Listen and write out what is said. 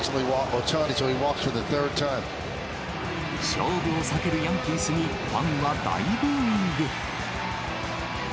勝負を避けるヤンキースに、ファンは大ブーイング。